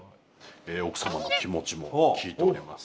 奥様の気持ちも聞いております。